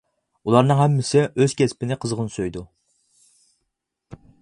ئۇلارنىڭ ھەممىسى ئۆز كەسپىنى قىزغىن سۆيىدۇ.